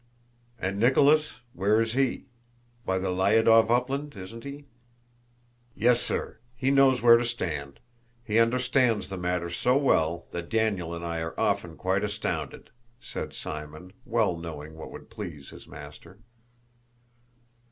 "And Nicholas? Where is he? By the Lyádov upland, isn't he?" "Yes, sir. He knows where to stand. He understands the matter so well that Daniel and I are often quite astounded," said Simon, well knowing what would please his master.